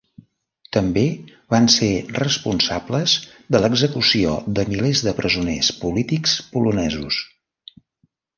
També van ser responsables de l'execució de milers de presoners polítics polonesos.